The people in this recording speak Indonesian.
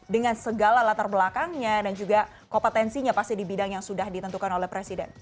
dengan segala latar belakangnya dan juga kompetensinya pasti di bidang yang sudah ditentukan oleh presiden